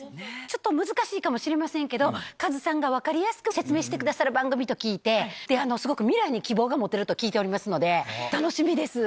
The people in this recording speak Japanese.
ちょっと難しいかもしれませんけどカズさんが分かりやすく説明してくださる番組と聞いてですごく。と聞いておりますので楽しみです。